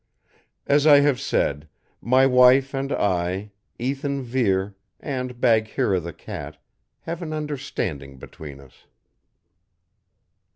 As I have said, my wife and I, Ethan Vere and Bagheera the cat have an understanding between us.